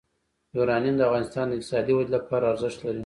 یورانیم د افغانستان د اقتصادي ودې لپاره ارزښت لري.